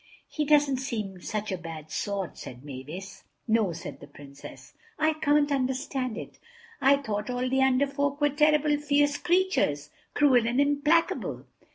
"He doesn't seem such a bad sort," said Mavis. "No," said the Princess, "I can't understand it. I thought all the Under Folk were terrible fierce creatures, cruel and implacable."